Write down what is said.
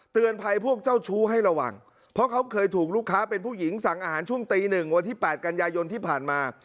เตือนภัยพวกเจ้าชู้ให้ระวังเพราะเขาเคยถูกลูกค้าเป็นผู้หญิงสั่งอาหารช่วงตีหนึ่งวันที่๘กันยายนที่ผ่านมา